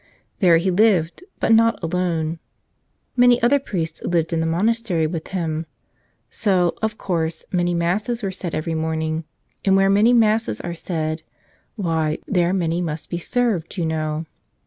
There he lived, but not alone. Many other priests lived in the monastery with him. So, of course, many Masses were said every morning. And where many Mases are said, why, there many must be served, you know.